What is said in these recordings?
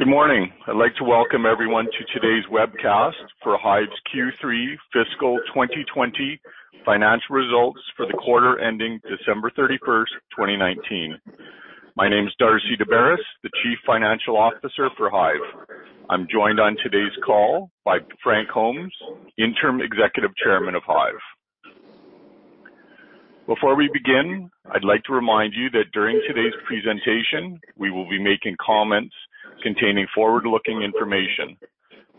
Good morning. I'd like to welcome everyone to today's webcast for HIVE's Q3 Fiscal 2020 financial results for the quarter ending December 31st, 2019. My name is Darcy Daubaras, the Chief Financial Officer for HIVE. I'm joined on today's call by Frank Holmes, Interim Executive Chairman of HIVE. Before we begin, I'd like to remind you that during today's presentation, we will be making comments containing forward-looking information.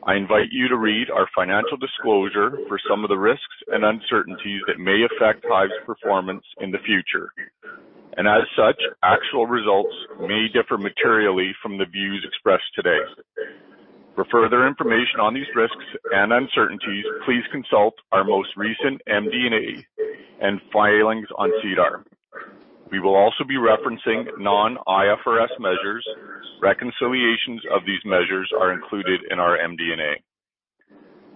I invite you to read our financial disclosure for some of the risks and uncertainties that may affect HIVE's performance in the future. As such, actual results may differ materially from the views expressed today. For further information on these risks and uncertainties, please consult our most recent MD&A and filings on SEDAR. We will also be referencing non-IFRS measures. Reconciliations of these measures are included in our MD&A.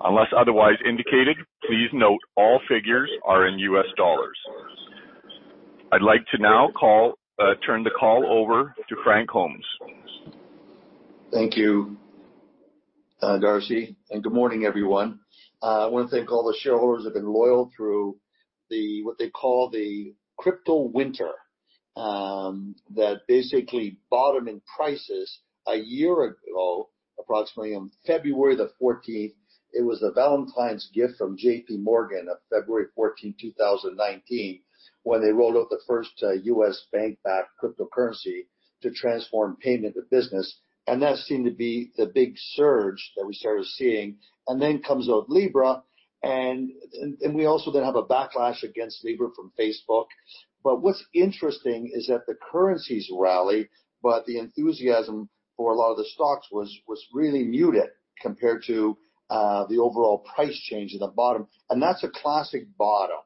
Unless otherwise indicated, please note all figures are in US dollars. I'd like to now turn the call over to Frank Holmes. Thank you, Darcy, and good morning, everyone. I want to thank all the shareholders who have been loyal through what they call the crypto winter, that basically bottomed in prices a year ago, approximately on February the 14th. It was a Valentine's gift from JPMorgan of February 14, 2019, when they rolled out the first US bank-backed cryptocurrency to transform payment to business. That seemed to be the big surge that we started seeing. Then comes out Libra, and we also then have a backlash against Libra from Facebook. What's interesting is that the currencies rally, but the enthusiasm for a lot of the stocks was really muted compared to the overall price change in the bottom. That's a classic bottom.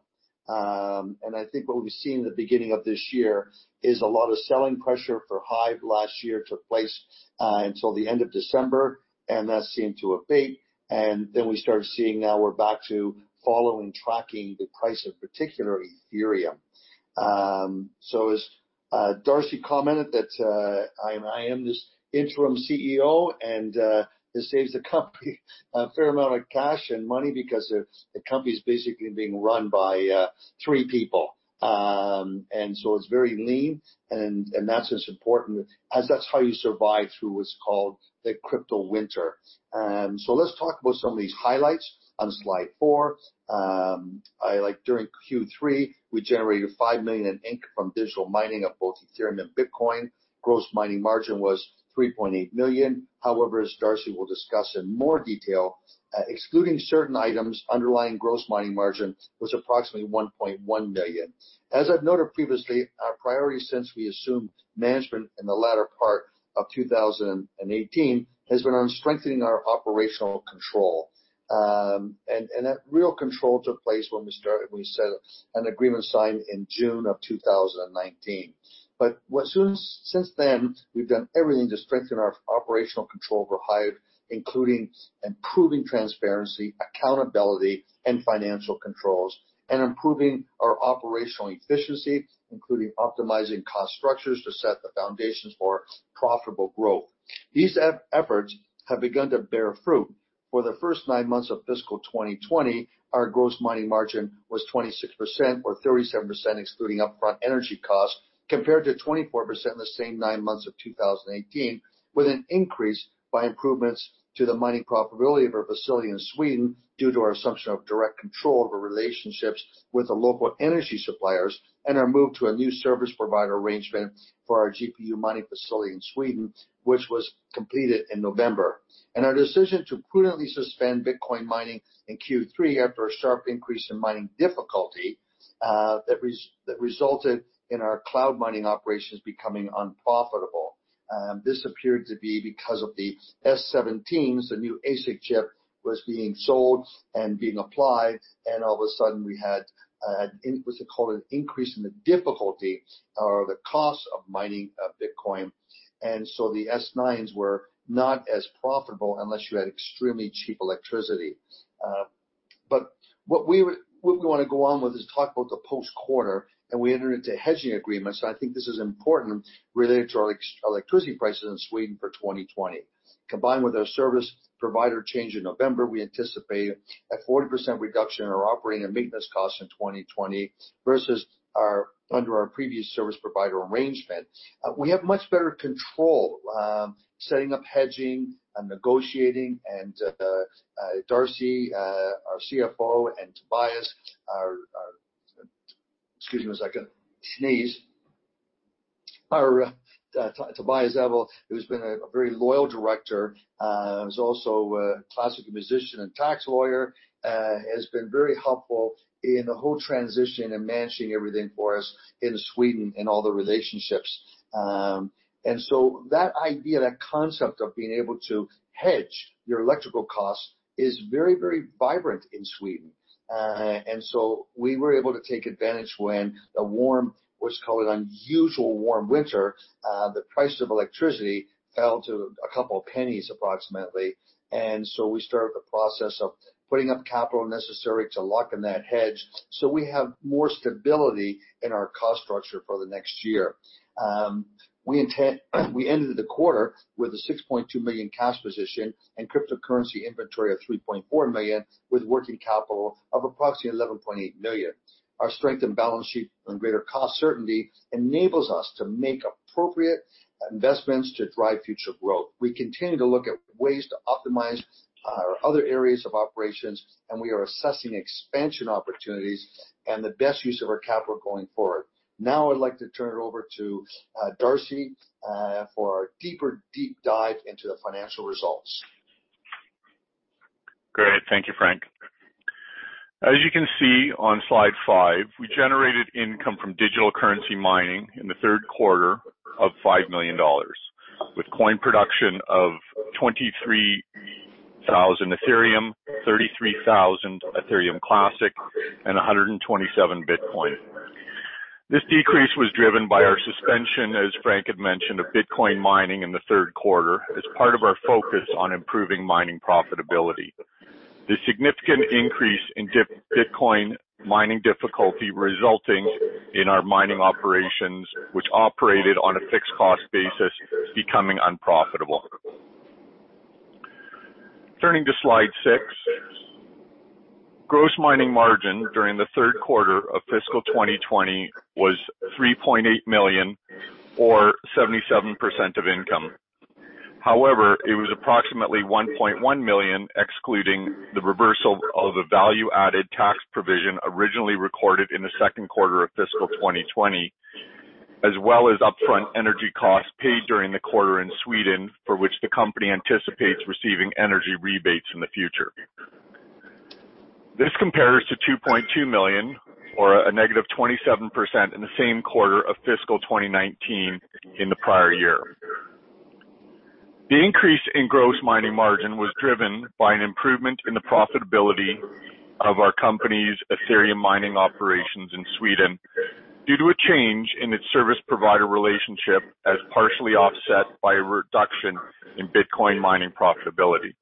I think what we've seen in the beginning of this year is a lot of selling pressure for HIVE last year took place until the end of December, and that seemed to abate. Then we started seeing now we're back to following, tracking the price of particular Ethereum. As Darcy commented that I am this Interim CEO and this saves the company a fair amount of cash and money because the company's basically being run by three people. So it's very lean and that's important as that's how you survive through what's called the crypto winter. Let's talk about some of these highlights on slide four. During Q3, we generated $5 million in income from digital mining of both Ethereum and Bitcoin. Gross mining margin was $3.8 million. However, as Darcy will discuss in more detail, excluding certain items, underlying gross mining margin was approximately $1.1 million. As I've noted previously, our priority since we assumed management in the latter part of 2018 has been on strengthening our operational control. That real control took place when we set an agreement signed in June of 2019. Since then, we've done everything to strengthen our operational control over HIVE, including improving transparency, accountability, and financial controls, and improving our operational efficiency, including optimizing cost structures to set the foundations for profitable growth. These efforts have begun to bear fruit. For the first nine months of fiscal 2020, our gross mining margin was 26%, or 37% excluding upfront energy costs, compared to 24% in the same nine months of 2018, with an increase by improvements to the mining profitability of our facility in Sweden due to our assumption of direct control over relationships with the local energy suppliers and our move to a new service provider arrangement for our GPU mining facility in Sweden, which was completed in November. Our decision to prudently suspend Bitcoin mining in Q3 after a sharp increase in mining difficulty, that resulted in our cloud mining operations becoming unprofitable. This appeared to be because of the S17s, the new ASIC chip was being sold and being applied, and all of a sudden we had, what's it called, an increase in the difficulty or the cost of mining of Bitcoin. The S9s were not as profitable unless you had extremely cheap electricity. What we want to go on with is talk about the post-quarter, and we entered into hedging agreements, and I think this is important related to our electricity prices in Sweden for 2020. Combined with our service provider change in November, we anticipate a 40% reduction in our operating and maintenance costs in 2020 versus under our previous service provider arrangement. We have much better control, setting up hedging and negotiating and Darcy, our CFO, and Tobias, our. Excuse me one second. Tobias Ekvall, who's been a very loyal director, is also a classical musician and tax lawyer. He has been very helpful in the whole transition and managing everything for us in Sweden and all the relationships. That idea, that concept of being able to hedge your electrical cost is very vibrant in Sweden. We were able to take advantage when the warm What's called an unusual warm winter, the price of electricity fell to a couple of pennies approximately. We started the process of putting up capital necessary to lock in that hedge, so we have more stability in our cost structure for the next year. We ended the quarter with a $6.2 million cash position and cryptocurrency inventory of $3.4 million, with working capital of approximately $11.8 million. Our strength in balance sheet and greater cost certainty enables us to make appropriate investments to drive future growth. We continue to look at ways to optimize our other areas of operations, and we are assessing expansion opportunities and the best use of our capital going forward. Now I'd like to turn it over to Darcy, for our deeper deep dive into the financial results. Great. Thank you, Frank. As you can see on slide five, we generated income from digital currency mining in the third quarter of $5 million, with coin production of 23,000 Ethereum, 33,000 Ethereum Classic, and 127 Bitcoin. This decrease was driven by our suspension, as Frank had mentioned, of Bitcoin mining in the third quarter as part of our focus on improving mining profitability. The significant increase in Bitcoin mining difficulty resulting in our mining operations, which operated on a fixed cost basis, becoming unprofitable. Turning to slide six. Gross mining margin during the third quarter of fiscal 2020 was $3.8 million or 77% of income. However, it was approximately $1.1 million, excluding the reversal of a value-added tax provision originally recorded in the second quarter of fiscal 2020, as well as upfront energy costs paid during the quarter in Sweden, for which the company anticipates receiving energy rebates in the future. This compares to $2.2 million or a negative 27% in the same quarter of fiscal 2019 in the prior year. The increase in gross mining margin was driven by an improvement in the profitability of our company's Ethereum mining operations in Sweden due to a change in its service provider relationship, as partially offset by a reduction in Bitcoin mining profitability.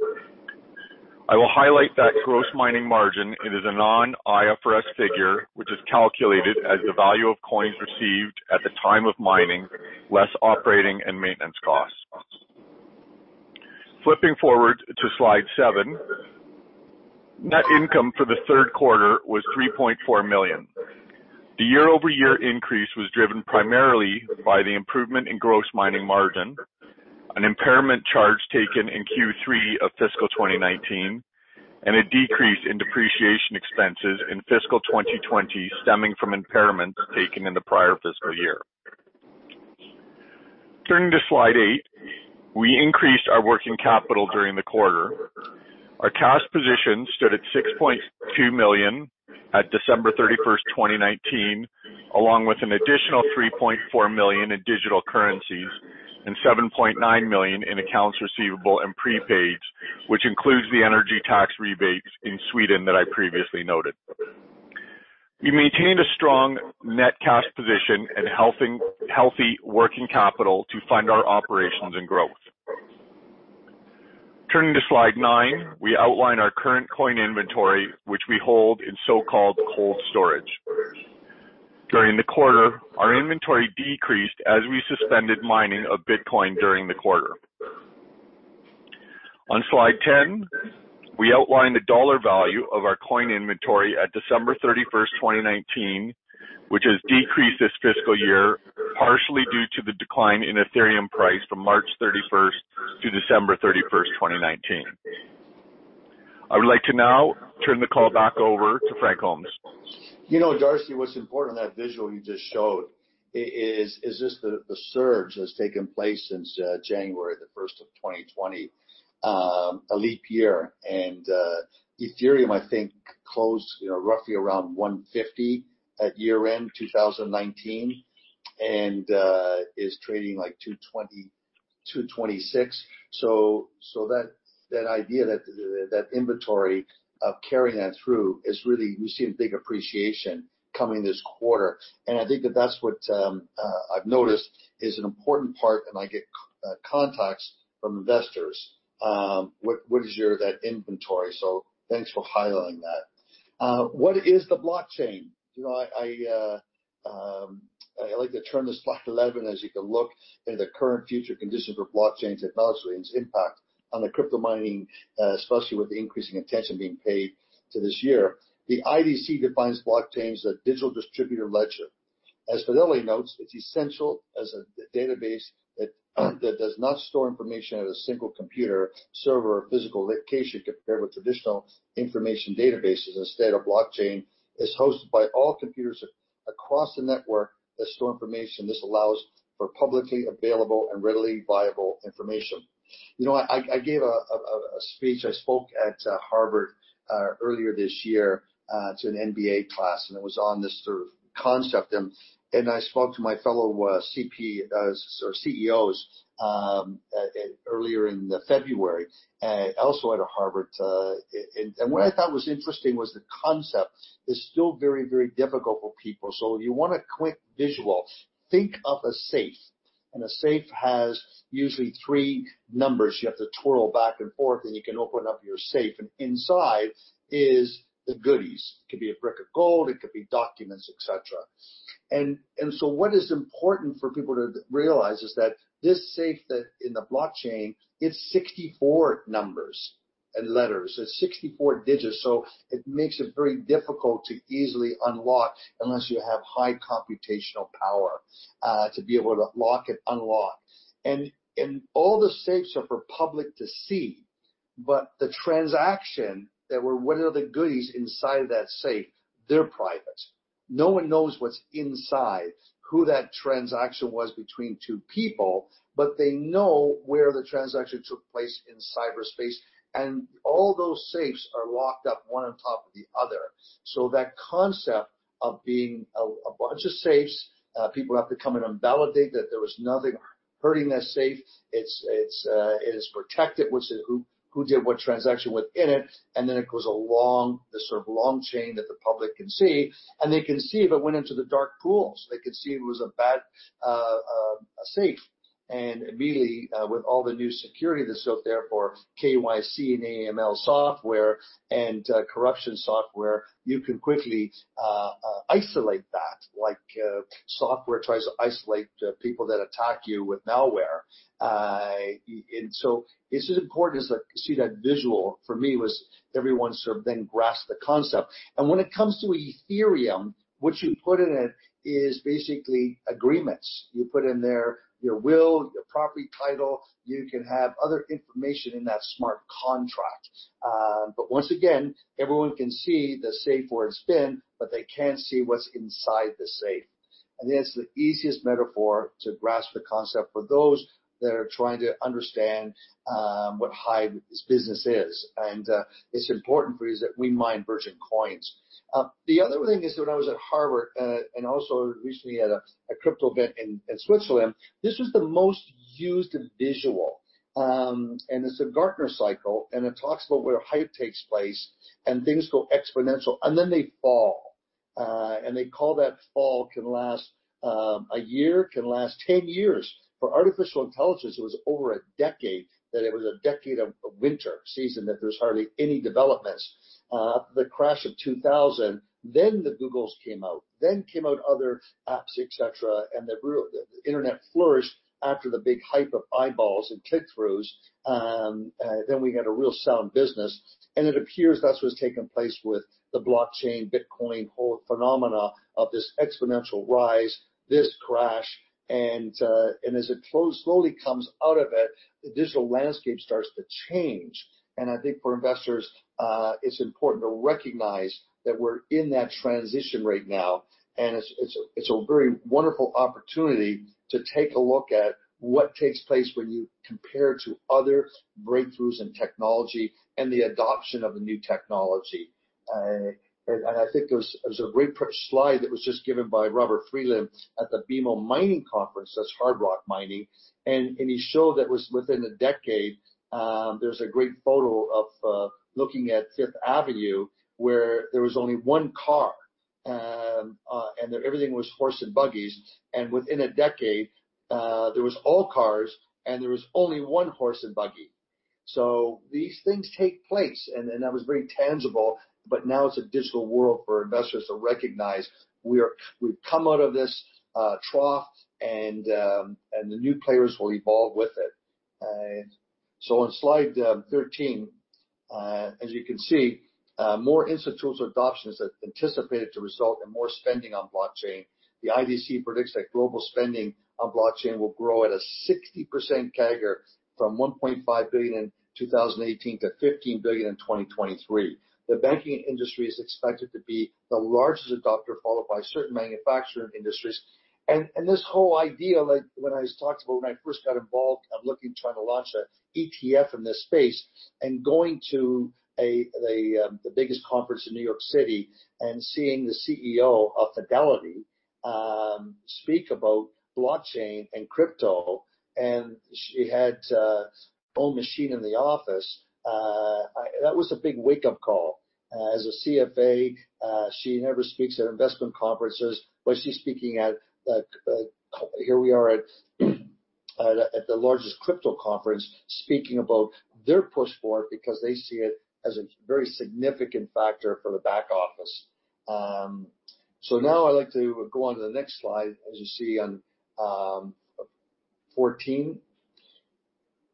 I will highlight that gross mining margin. It is a non-IFRS figure, which is calculated as the value of coins received at the time of mining, less operating and maintenance costs. Flipping forward to slide seven. Net income for the third quarter was $3.4 million. The year-over-year increase was driven primarily by the improvement in gross mining margin, an impairment charge taken in Q3 of fiscal 2019, and a decrease in depreciation expenses in fiscal 2020 stemming from impairments taken in the prior fiscal year. Turning to slide eight, we increased our working capital during the quarter. Our cash position stood at $6.2 million at December 31st, 2019, along with an additional $3.4 million in digital currencies and $7.9 million in accounts receivable and prepaids, which includes the energy tax rebates in Sweden that I previously noted. We maintained a strong net cash position and healthy working capital to fund our operations and growth. Turning to slide nine, we outline our current coin inventory, which we hold in so-called cold storage. During the quarter, our inventory decreased as we suspended mining of Bitcoin during the quarter. On slide 10, we outline the dollar value of our coin inventory at December 31st, 2019, which has decreased this fiscal year, partially due to the decline in Ethereum price from March 31st to December 31st, 2019. I would like to now turn the call back over to Frank Holmes. Darcy, what's important in that visual you just showed is this the surge that has taken place since January the 1st of 2020. A leap year. Ethereum, I think closed roughly around $150 at year-end 2019 and is trading like $226. That idea, that inventory of carrying that through is really, we've seen a big appreciation coming this quarter. I think that that's what I've noticed is an important part, and I get contacts from investors. That inventory? Thanks for highlighting that. What is the blockchain? I like to turn to slide 11, as you can look into current future conditions for blockchain technology and its impact on the crypto mining, especially with the increasing attention being paid to this year. The IDC defines blockchain as a digital distributor ledger. As Fidelity notes, it's essential as a database that does not store information at a single computer, server, or physical location compared with traditional information databases. Instead, a blockchain is hosted by all computers across the network that store information. This allows for publicly available and readily viable information. I gave a speech, I spoke at Harvard earlier this year to an MBA class, and it was on this sort of concept. I spoke to my fellow CEOs earlier in February, also out of Harvard. What I thought was interesting was the concept is still very difficult for people. If you want a quick visual, think of a safe, and a safe has usually three numbers. You have to twirl back and forth, and you can open up your safe, and inside is the goodies. It could be a brick of gold, it could be documents, et cetera. What is important for people to realize is that this safe that in the blockchain, it's 64 numbers and letters. It's 64 digits, so it makes it very difficult to easily unlock unless you have high computational power to be able to lock and unlock. All the safes are for public to see, but the transaction, what are the goodies inside that safe, they're private. No one knows what's inside, who that transaction was between two people, but they know where the transaction took place in cyberspace. All those safes are locked up one on top of the other. That concept of being a bunch of safes, people have to come in and validate that there was nothing hurting that safe. It is protected, who did what transaction within it, then it goes along this sort of long chain that the public can see, and they can see if it went into the dark pools. They could see it was a bad safe. Immediately, with all the new security that's out there for KYC and AML software and corruption software, you can quickly isolate that. Like, software tries to isolate people that attack you with malware. So it's as important as, see that visual for me was everyone sort of then grasps the concept. When it comes to Ethereum, what you put in it is basically agreements. You put in there your will, your property title. You can have other information in that smart contract. Once again, everyone can see the safe where it's been, but they can't see what's inside the safe. That's the easiest metaphor to grasp the concept for those that are trying to understand what HIVE's business is. It's important for you that we mine virgin coins. The other thing is when I was at Harvard, and also recently at a crypto event in Switzerland, this was the most used visual. It's a Gartner cycle, and it talks about where hype takes place and things go exponential, and then they fall. They call that fall can last a year, can last 10 years. For artificial intelligence, it was over a decade, that it was a decade of winter season, that there was hardly any developments. The crash of 2000, then the Googles came out, then came out other apps, et cetera, and the internet flourished after the big hype of eyeballs and click-throughs. We had a real sound business. It appears that's what's taken place with the blockchain, Bitcoin whole phenomena of this exponential rise, this crash. As it slowly comes out of it, the digital landscape starts to change. I think for investors, it's important to recognize that we're in that transition right now, and it's a very wonderful opportunity to take a look at what takes place when you compare to other breakthroughs in technology and the adoption of a new technology. I think there's a great slide that was just given by Robert Friedland at the BMO Mining Conference, that's hard rock mining. He showed that was within a decade, there's a great photo of looking at Fifth Avenue, where there was only one car, and everything was horse and buggies. Within a decade, there was all cars, and there was only one horse and buggy. These things take place, and that was very tangible, but now it's a digital world for investors to recognize. We've come out of this trough, and the new players will evolve with it. On slide 13, as you can see, more institutes adoptions that anticipated to result in more spending on blockchain. The IDC predicts that global spending on blockchain will grow at a 60% CAGR from $1.5 billion in 2018 to $15 billion in 2023. The banking industry is expected to be the largest adopter, followed by certain manufacturing industries. This whole idea, when I first got involved at looking, trying to launch a ETF in this space, and going to the biggest conference in New York City and seeing the CEO of Fidelity speak about blockchain and crypto, and she had own machine in the office, that was a big wake-up call. As a CFA, she never speaks at investment conferences, but she's speaking at, here we are at the largest crypto conference, speaking about their push for it because they see it as a very significant factor for the back office. Now I'd like to go on to the next slide, as you see on 14.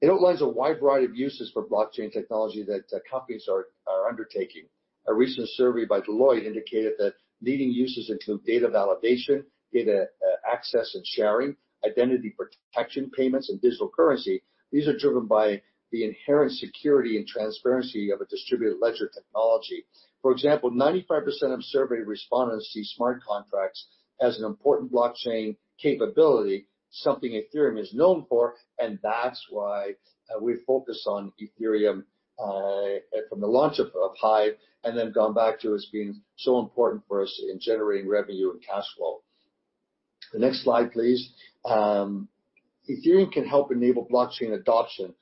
It outlines a wide variety of uses for blockchain technology that companies are undertaking. A recent survey by Deloitte indicated that leading uses include data validation, data access and sharing, identity protection, payments, and digital currency. These are driven by the inherent security and transparency of a distributed ledger technology. For example, 95% of surveyed respondents see smart contracts as an important blockchain capability, something Ethereum is known for, and that's why we focus on Ethereum, from the launch of HIVE and then gone back to as being so important for us in generating revenue and cash flow. The next slide, please. Ethereum can help enable blockchain adoption.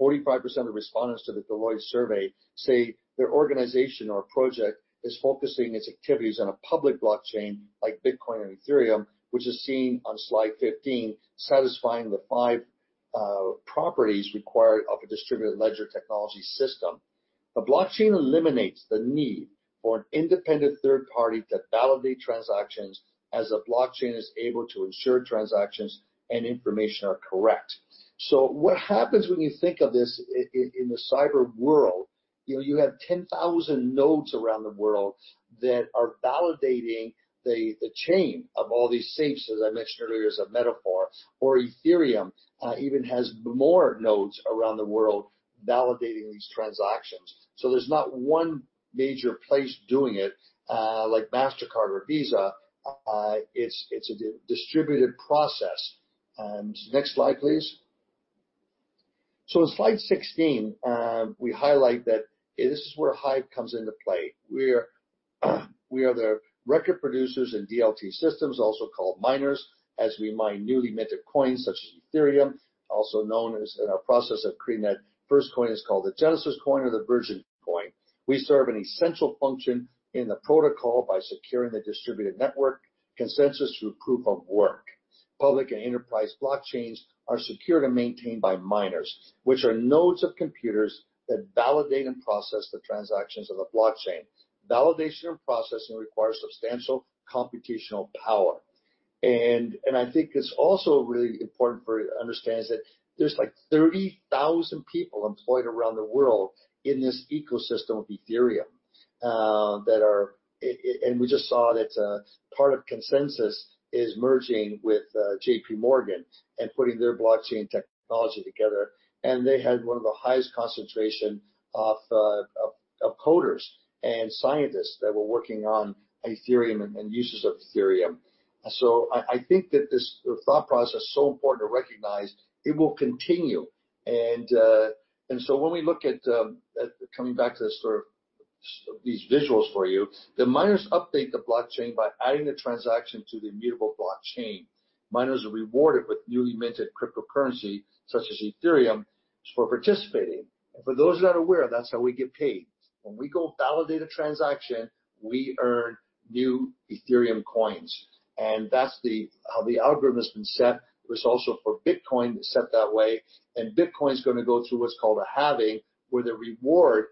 45% of respondents to the Deloitte survey say their organization or project is focusing its activities on a public blockchain like Bitcoin and Ethereum, which is seen on slide 15, satisfying the five properties required of a distributed ledger technology system. A blockchain eliminates the need for an independent third party to validate transactions, as a blockchain is able to ensure transactions and information are correct. What happens when you think of this in the cyber world, you have 10,000 nodes around the world that are validating the chain of all these safes, as I mentioned earlier, as a metaphor, or Ethereum even has more nodes around the world validating these transactions. There's not one major place doing it, like Mastercard or Visa. It's a distributed process. Next slide, please. In slide 16, we highlight that this is where HIVE comes into play. We are the record producers in DLT systems, also called miners, as we mine newly minted coins such as Ethereum, also known as in our process of creating that first coin is called the genesis coin or the virgin coin. We serve an essential function in the protocol by securing the distributed network consensus through proof of work. Public and enterprise blockchains are secured and maintained by miners, which are nodes of computers that validate and process the transactions of the blockchain. Validation and processing requires substantial computational power. I think it's also really important for understanding that there's like 30,000 people employed around the world in this ecosystem of Ethereum. We just saw that part of Consensys is merging with JPMorgan and putting their blockchain technology together, and they had one of the highest concentration of coders and scientists that were working on Ethereum and uses of Ethereum. I think that this thought process is so important to recognize. It will continue. When we look at, coming back to these visuals for you, the miners update the blockchain by adding the transaction to the immutable blockchain. Miners are rewarded with newly minted cryptocurrency, such as Ethereum, for participating. For those that are aware, that's how we get paid. When we go validate a transaction, we earn new Ethereum coins. That's how the algorithm has been set. It was also for Bitcoin set that way, and Bitcoin is going to go through what's called a halving, where the reward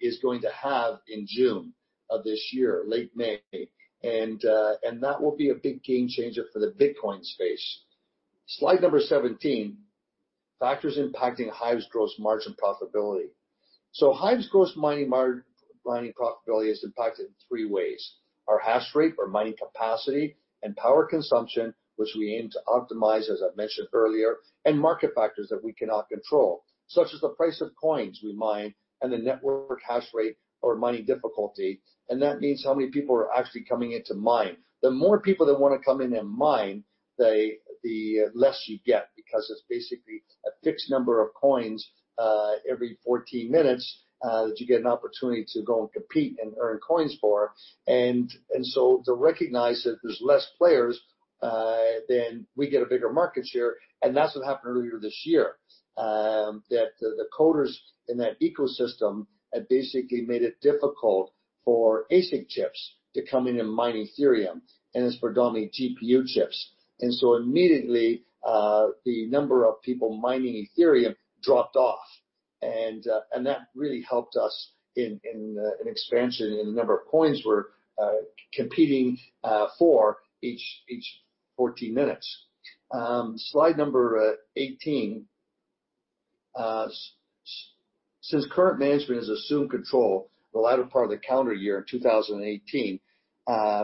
is going to halve in June of this year, late May. That will be a big game changer for the Bitcoin space. Slide number 17, factors impacting HIVE's gross margin profitability. HIVE's gross mining profitability is impacted in three ways. Our hash rate or mining capacity and power consumption, which we aim to optimize, as I mentioned earlier, and market factors that we cannot control, such as the price of coins we mine and the network hash rate or mining difficulty, and that means how many people are actually coming in to mine. The more people that want to come in and mine, the less you get, because it's basically a fixed number of coins every 14 minutes that you get an opportunity to go and compete and earn coins for. To recognize that there's less players, then we get a bigger market share, and that's what happened earlier this year, that the coders in that ecosystem had basically made it difficult for ASIC chips to come in and mine Ethereum, and it's predominantly GPU chips. Immediately, the number of people mining Ethereum dropped off. That really helped us in expansion in the number of coins we're competing for each 14 minutes. Slide number 18. Since current management has assumed control the latter part of the calendar year in 2018,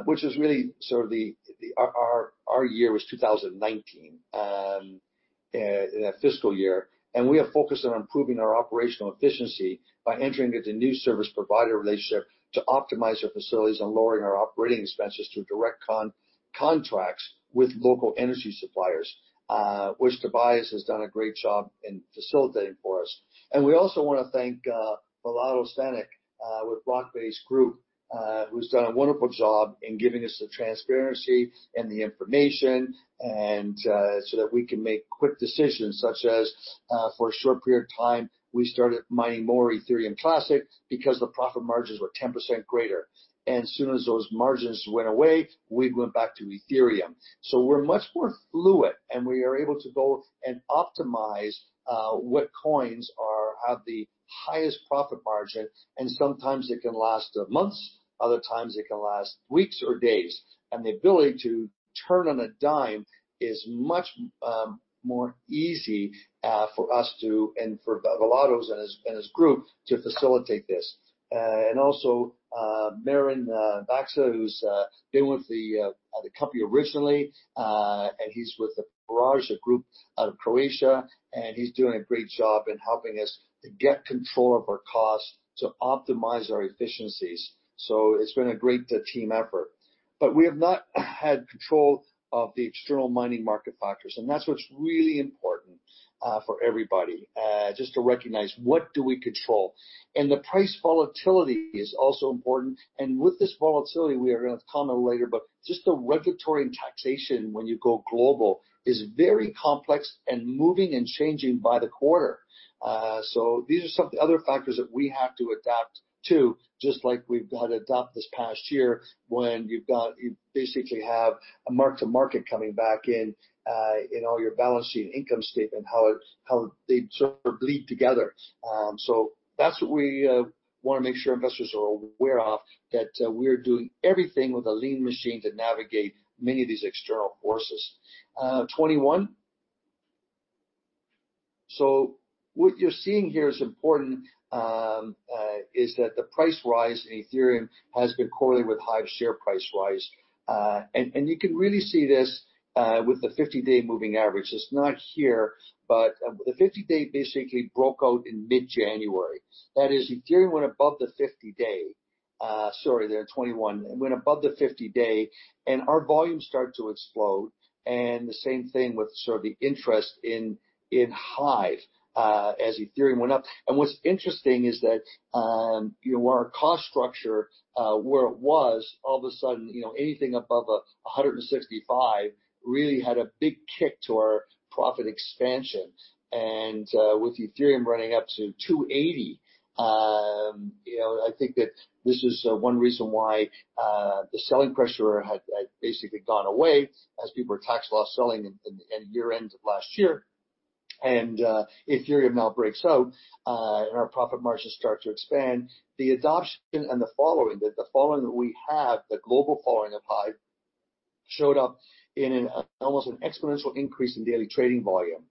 which is really sort of our year was 2019, fiscal year. We are focused on improving our operational efficiency by entering into new service provider relationships to optimize our facilities and lowering our operating expenses through direct contracts with local energy suppliers, which Tobias has done a great job in facilitating for us. We also want to thank Vlado Senic with Blockbase Group, who's done a wonderful job in giving us the transparency and the information and so that we can make quick decisions, such as for a short period of time, we started mining more Ethereum Classic because the profit margins were 10% greater. As soon as those margins went away, we went back to Ethereum. We're much more fluid, and we are able to go and optimize what coins have the highest profit margin, and sometimes it can last months, other times it can last weeks or days. The ability to turn on a dime is much more easy for us to, and for Vlado and his group to facilitate this. Also, Marin Baksa, who's been with the company originally, and he's with the Farage group out of Croatia, and he's doing a great job in helping us to get control of our costs to optimize our efficiencies. It's been a great team effort. We have not had control of the external mining market factors, and that's what's really important for everybody, just to recognize what do we control. The price volatility is also important. With this volatility, we are going to comment later, but just the regulatory and taxation when you go global is very complex and moving and changing by the quarter. These are some other factors that we have to adapt to, just like we've had to adapt this past year when you basically have a mark-to-market coming back in all your balance sheet and income statement, how they sort of bleed together. That's what we want to make sure investors are aware of, that we're doing everything with a lean machine to navigate many of these external forces. 21. What you're seeing here is important, is that the price rise in Ethereum has been correlated with HIVE share price rise. You can really see this with the 50-day moving average. It's not here, but the 50-day basically broke out in mid-January. Ethereum went above the 50-day, sorry, there at 21, it went above the 50-day, and our volume started to explode, and the same thing with sort of the interest in HIVE as Ethereum went up. What's interesting is that our cost structure, where it was, all of a sudden, anything above $165 really had a big kick to our profit expansion. With Ethereum running up to $280, I think that this is one reason why the selling pressure had basically gone away as people were tax-loss selling at year-end of last year. Ethereum now breaks out, and our profit margins start to expand. The adoption and the following that we have, the global following of HIVE showed up in almost an exponential increase in daily trading volume.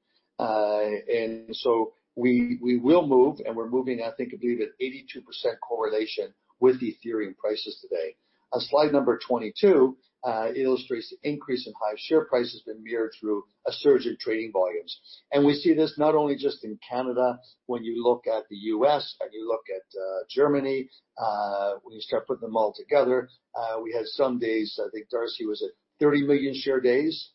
We will move, and we're moving, I think, I believe, at 82% correlation with Ethereum prices today. On slide number 22, it illustrates the increase in HIVE share price has been mirrored through a surge in trading volumes. We see this not only just in Canada, when you look at the U.S., and you look at Germany, when you start putting them all together, we had some days, I think Darcy, was it 30 million share days?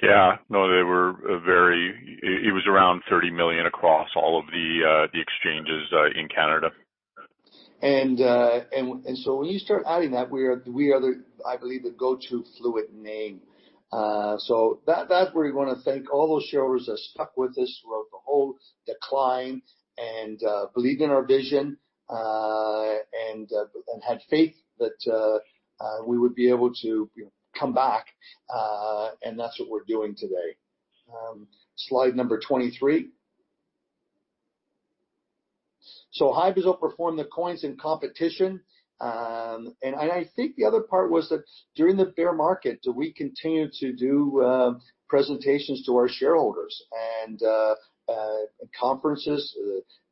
Yeah. No, it was around $30 million across all of the exchanges in Canada. When you start adding that, we are, I believe, the go-to fluid name. That's where we want to thank all those shareholders that stuck with us throughout the whole decline and believed in our vision, and had faith that we would be able to come back, and that's what we're doing today. Slide number 23. HIVE has outperformed the coins in competition. I think the other part was that during the bear market, we continued to do presentations to our shareholders and conferences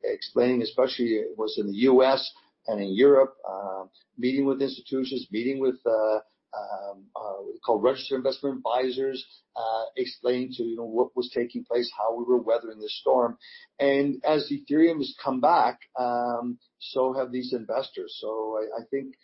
explaining, especially was in the U.S. and in Europe, meeting with institutions, meeting with what we call registered investment advisors, explaining to them what was taking place, how we were weathering the storm. As Ethereum has come back, so have these investors. I think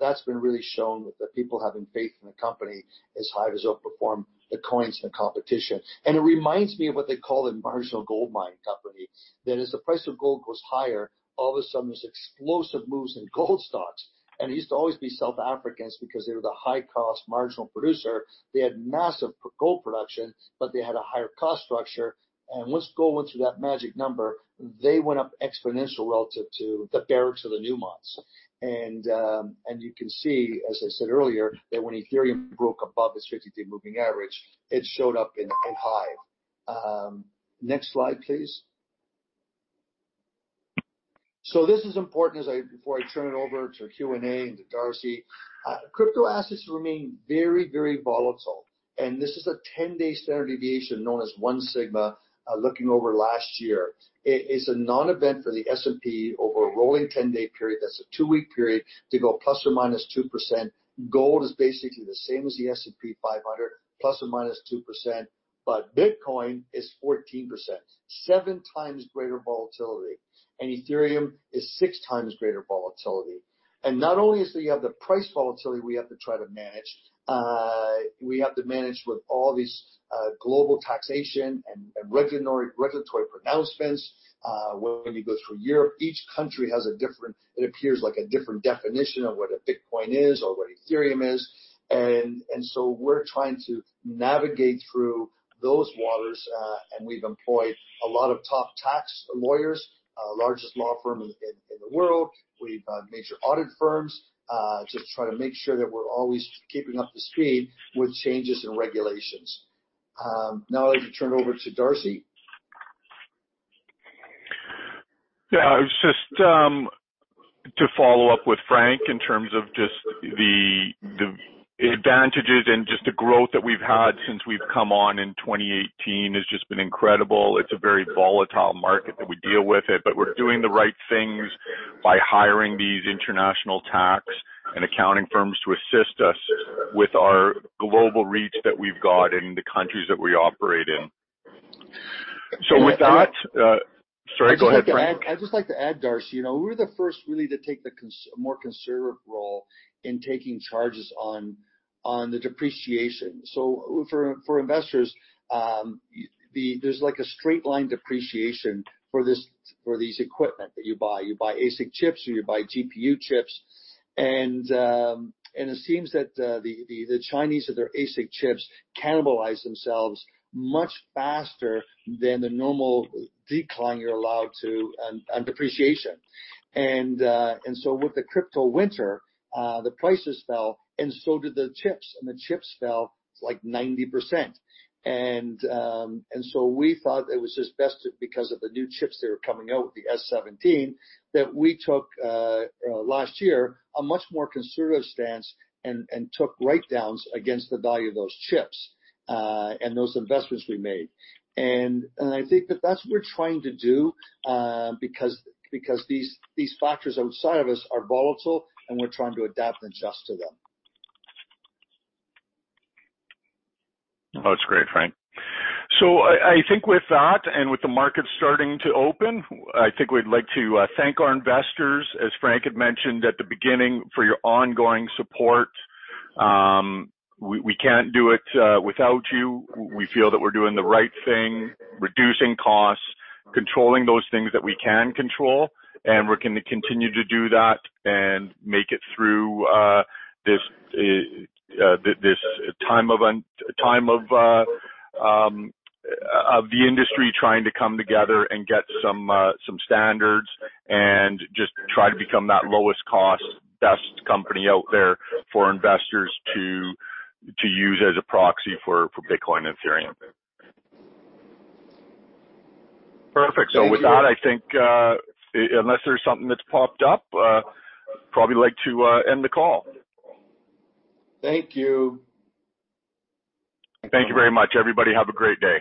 that's been really shown with the people having faith in the company as HIVE has outperformed the coins and the competition. It reminds me of what they call a marginal gold mine company. As the price of gold goes higher, all of a sudden, there's explosive moves in gold stocks. It used to always be South Africans because they were the high-cost marginal producer. They had massive gold production, but they had a higher cost structure. Once gold went through that magic number, they went up exponential relative to the Barrick or the Newmont. You can see, as I said earlier, that when Ethereum broke above its 50-day moving average, it showed up in HIVE. Next slide, please. This is important before I turn it over to Q&A and to Darcy. Crypto assets remain very, very volatile. This is a 10-day standard deviation known as One Sigma looking over last year. It's a non-event for the S&P 500 over a rolling 10-day period, that's a 2-week period, to go ±2%. Gold is basically the same as the S&P 500, ±2%. Bitcoin is 14%, seven times greater volatility, and Ethereum is six times greater volatility. Not only do you have the price volatility we have to try to manage, we have to manage with all these global taxation and regulatory pronouncements. When you go through Europe, each country has a different, it appears like a different definition of what a Bitcoin is or what Ethereum is. So we're trying to navigate through those waters, and we've employed a lot of top tax lawyers, largest law firm in the world. We've major audit firms, to try to make sure that we're always keeping up to speed with changes in regulations. I'd like to turn it over to Darcy. Yeah, just to follow up with Frank in terms of just the advantages and just the growth that we've had since we've come on in 2018 has just been incredible. It's a very volatile market that we deal with it, but we're doing the right things by hiring these international tax and accounting firms to assist us with our global reach that we've got in the countries that we operate in. Sorry, go ahead, Frank. I'd just like to add, Darcy, we were the first really to take the more conservative role in taking charges on the depreciation. For investors, there's a straight line depreciation for these equipment that you buy. You buy ASIC chips or you buy GPU chips. It seems that the Chinese with their ASIC chips cannibalize themselves much faster than the normal decline you're allowed to on depreciation. With the crypto winter, the prices fell and so did the chips, and the chips fell 90%. We thought it was just best because of the new chips that were coming out with the S17, that we took last year a much more conservative stance and took write-downs against the value of those chips and those investments we made. I think that that's what we're trying to do because these factors outside of us are volatile and we're trying to adapt and adjust to them. That's great, Frank. I think with that and with the market starting to open, I think we'd like to thank our investors, as Frank had mentioned at the beginning, for your ongoing support. We can't do it without you. We feel that we're doing the right thing, reducing costs, controlling those things that we can control, and we're going to continue to do that and make it through this time of the industry trying to come together and get some standards and just try to become that lowest cost, best company out there for investors to use as a proxy for Bitcoin and Ethereum. Perfect. With that, I think unless there's something that's popped up, probably like to end the call. Thank you. Thank you very much, everybody. Have a great day.